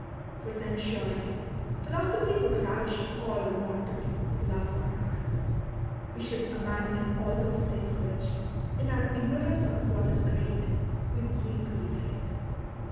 For then surely philosophy would ravish all mortals with love for her" ; we should abandon all those things which, in our ignorance of what is great, we believe to be great.